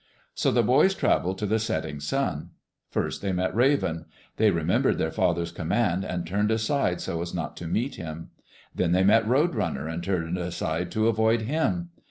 So the boys travelled to the setting sun. First they met Raven. They remembered their father's command and turned aside so as not to meet him. Then they met Roadrunner, and turned aside to avoid him.